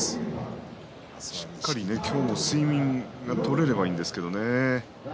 しっかり今日も睡眠が取れればいいんですけどね。